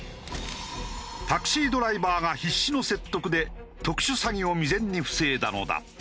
タクシードライバーが必死の説得で特殊詐欺を未然に防いだのだ。